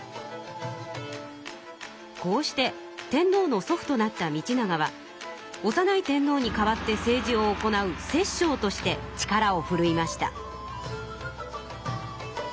こうして天皇の祖父となった道長はおさない天皇に代わって政治を行う摂政として力をふるいました。